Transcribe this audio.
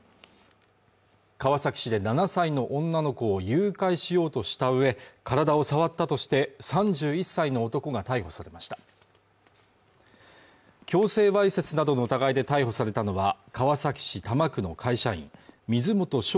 川崎市で７歳の女の子を誘拐しようとしたうえ体を触ったとして３１歳の男が逮捕されました強制わいせつなどの疑いで逮捕されたのは川崎市多摩区の会社員水本翔